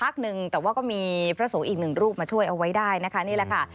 หนึ่งแต่ว่าก็มีพระสงฆ์อีกหนึ่งรูปมาช่วยเอาไว้ได้นะคะนี่แหละค่ะ